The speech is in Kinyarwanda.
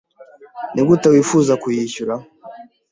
Nigute wifuza kuyishyura?